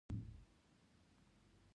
د دوی له نظره هر څه له منځه تللي دي.